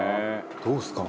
「どうですか？」